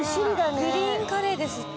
グリーンカレーですって。